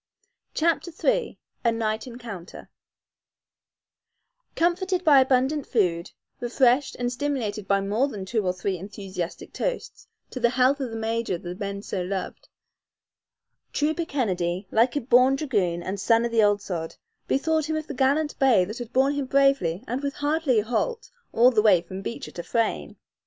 CHAPTER III A NIGHT ENCOUNTER Comforted by abundant food, refreshed and stimulated by more than two or three enthusiastic toasts to the health of the major the men so loved, Trooper Kennedy, like a born dragoon and son of the ould sod, bethought him of the gallant bay that had borne him bravely and with hardly a halt all the long way from Beecher to Frayne.